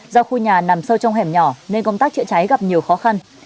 do khu nhà nằm sâu trong hẻm nhỏ nên công tác chữa cháy gặp nhiều khó khăn